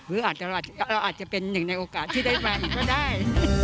เราอาจจะเป็นหนึ่งในโอกาสที่ได้มาอีกก็ได้